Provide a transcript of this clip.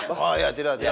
oh ya tidak tidak